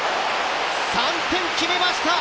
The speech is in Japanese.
３点決めました！